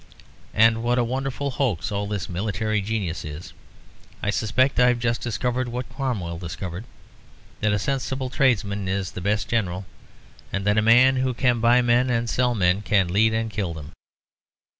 And what a wonderful hoax all this military genius is! I suspect I've just discovered what Cromwell discovered, that a sensible tradesman is the best general, and that a man who can buy men and sell men can lead and kill them.